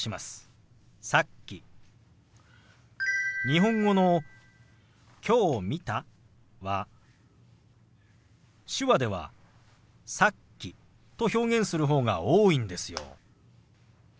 日本語の「きょう見た」は手話では「さっき」と表現する方が多いんですよ。